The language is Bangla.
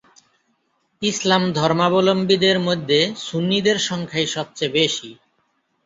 ইসলাম ধর্মাবলম্বীদের মধ্যে সুন্নিদের সংখ্যাই সবচেয়ে বেশি।